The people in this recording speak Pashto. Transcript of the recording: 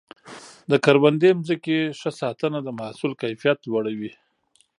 د کروندې ځمکې ښه ساتنه د محصول کیفیت لوړوي.